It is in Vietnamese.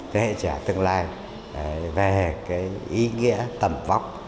thế hệ trẻ tương lai về cái ý nghĩa tầm vóc